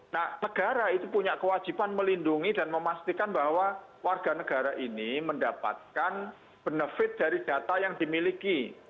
nah negara itu punya kewajiban melindungi dan memastikan bahwa warga negara ini mendapatkan benefit dari data yang dimiliki